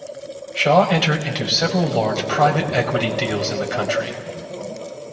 Shaw entered into several large private equity deals in the country.